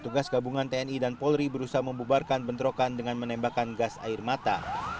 tugas gabungan tni dan polri berusaha membubarkan bentrokan dengan menembakkan gas air mata